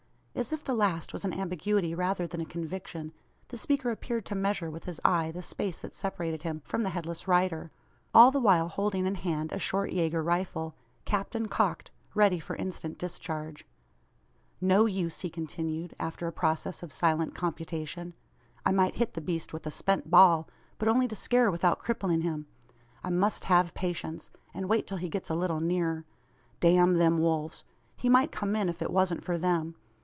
As if the last was an ambiguity rather than a conviction, the speaker appeared to measure with his eye the space that separated him from the headless rider all the while holding in hand a short Yager rifle, capped and cocked ready for instant discharge. "No use," he continued, after a process of silent computation. "I might hit the beast with a spent ball, but only to scare without crippling him. I must have patience, and wait till he gets a little nearer. Damn them wolves! He might come in, if it wasn't for them.